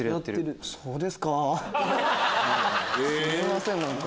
すいません何か。